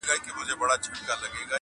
o د ډېر گران پوښتنه يا اول کېږي يا اخير٫